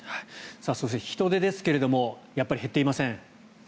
そして人出ですがやっぱり減っていません。